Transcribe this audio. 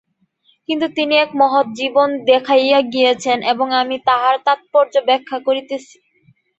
কিন্তু তিনি এক মহৎ জীবন দেখাইয়া গিয়াছেন এবং আমি তাহার তাৎপর্য ব্যাখ্যা করিতেছি।